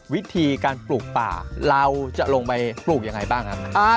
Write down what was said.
วิธีการปลูกป่าเราจะลงไปปลูกยังไงบ้างครับ